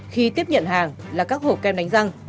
khi tiếp nhận hàng là các hộp kem đánh răng